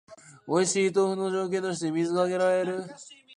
おいしい豆腐の条件として水が挙げられる